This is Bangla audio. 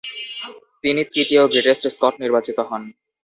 তিনি তৃতীয় গ্রেটেস্ট স্কট নির্বাচিত হন।